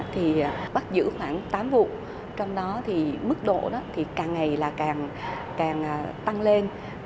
thì bắt giữ khoảng tám vụ trong đó mức độ càng ngày càng tăng lên